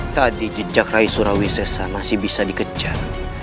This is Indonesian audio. tadi jejak rai surawisesa masih bisa dikejar